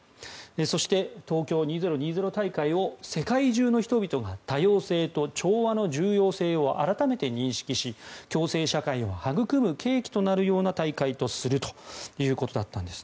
そして、東京２０２０大会を世界中の人々が多様性と調和の重要性を改めて認識し共生社会を育む契機となるような大会とするということだったんです。